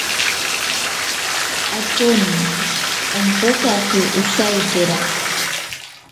Atyoni impokaki osaikera.